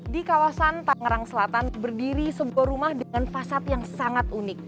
di kawasan tangerang selatan berdiri sebuah rumah dengan fasad yang sangat unik